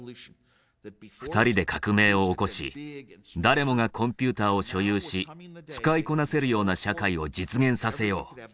２人で革命を起こし誰もがコンピューターを所有し使いこなせるような社会を実現させよう。